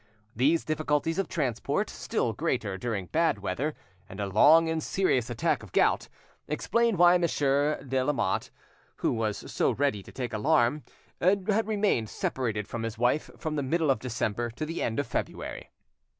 These difficulties of transport, still greater during bad weather, and a long and serious attack of gout, explain why Monsieur ale Lamotte, who was so ready to take alarm, had remained separated from his wife from the middle of December to the end of February.